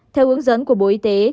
theo hướng dẫn của bộ y tế